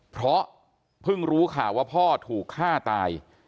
เพราะเพิ่งรู้ข่าวว่าพ่อถูกฆ่าตาย